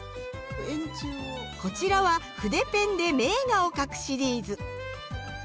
こちらは筆ペンで名画を描くシリーズ。